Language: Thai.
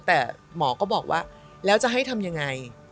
แต่หมอก็บอกว่าแล้วจะให้ทำยังไง